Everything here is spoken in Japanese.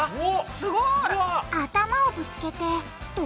すごい！